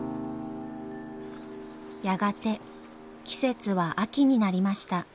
やがて季節は秋になりました。